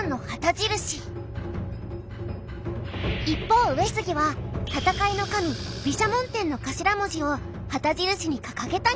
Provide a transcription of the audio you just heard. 一方上杉は戦いの神毘沙門天の頭文字を旗印に掲げたにゃ。